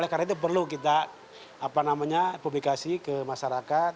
karena itu perlu kita apa namanya publikasi ke masyarakat